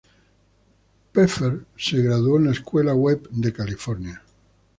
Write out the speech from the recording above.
Pfeffer se graduó de la escuela Webb de California.